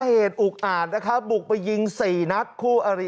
เหตุอุกอาจนะครับบุกไปยิงสี่นัดคู่อริ